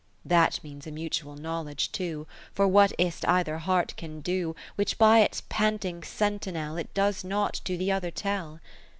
II That means a mutual Knowledge too; For what is 't either heart can do, Which by its panting sentinel It does not to the other tell